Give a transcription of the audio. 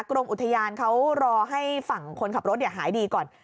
กรมอุทยานเขารอให้ฝั่งคนขับรถหายดีก่อน